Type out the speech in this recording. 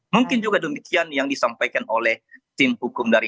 mungkin juga demikian yang disampaikan oleh tim hukum dari